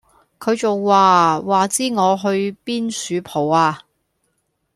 佢仲話:話知我去邊恕蒲吖